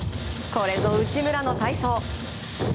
これぞ内村の体操。